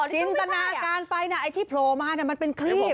จินตนาการไปนะไอ้ที่โผล่มามันเป็นคลีบ